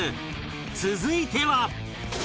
続いては